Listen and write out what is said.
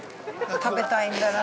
◆食べたいんだなあ。